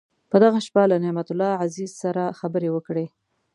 په دغه شپه له نعمت الله عزیز سره خبرې وکړې.